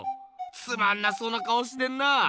つまんなそうな顔してんな。